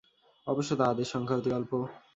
অবশ্য তাঁহাদের সংখ্যা অতি অল্প।